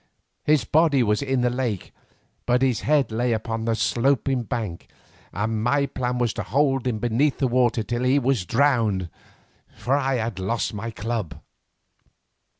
His body was in the lake but his head lay upon the sloping bank, and my plan was to hold him beneath the water till he was drowned, for I had lost my club.